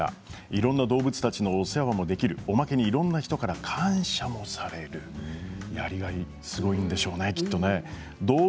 いろんな動物たちのお世話もできるおまけにいろんな人から感謝もされるやりがい、すごいんでしょうねきっと。